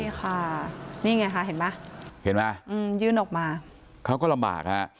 นี่ค่ะนี่ไงค่ะเห็นไหมเห็นไหมยื่นออกมาเขาก็ลำบากฮะ